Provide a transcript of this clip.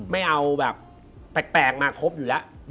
ไม่เอาแบบแปลกมาครบอยู่แล้ว